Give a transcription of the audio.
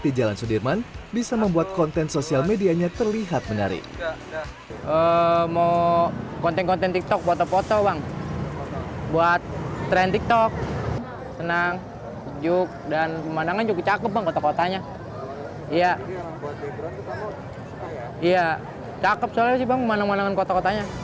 di jalan sudirman bisa membuat konten sosial medianya terlihat menarik